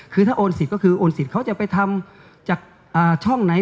คือถ้าโอนสิทธิ์ก็คือโอนสิทธิ์เขาจะไปทำจากช่องไหน